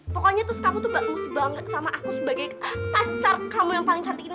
pokoknya terus kamu tuh bagus banget sama aku sebagai pacar kamu yang paling cantik ini